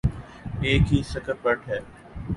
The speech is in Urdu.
ایک ہی سکرپٹ ہے۔